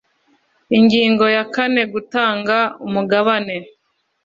ingingo ya kane gutanga umugabane